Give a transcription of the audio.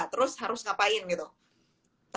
terus harus ngapain gitu